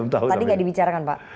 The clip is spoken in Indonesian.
tadi nggak dibicarakan pak